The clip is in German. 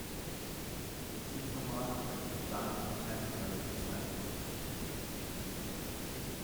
Das Musikformat wird als Adult Contemporary bezeichnet.